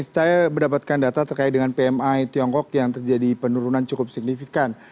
saya mendapatkan data terkait dengan pmi tiongkok yang terjadi penurunan cukup signifikan